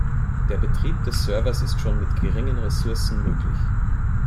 Der Betrieb des Servers ist schon mit geringen Ressourcen möglich.